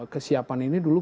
kesiapan ini dulu